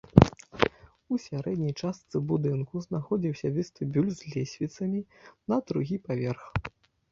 У сярэдняй частцы будынку знаходзіўся вестыбюль з лесвіцамі на другі паверх.